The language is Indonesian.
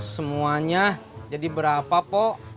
semuanya jadi berapa pok